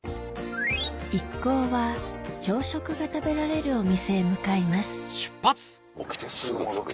一行は朝食が食べられるお店へ向かいます起きてすぐ。